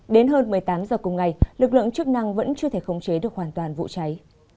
đến hơn một mươi tám h cùng ngày lực lượng chức năng vẫn chưa thể khống chế được hoàn toàn vụ cháy